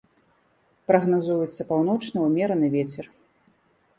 Прагназуецца паўночны ўмераны вецер.